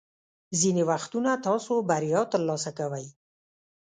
ځینې وختونه تاسو بریا ترلاسه کوئ.